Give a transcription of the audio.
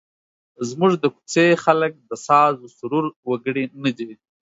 زموږ د کوڅې خلک د سازوسرور وګړي نه دي.